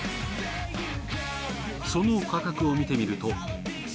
その価格を見てみると。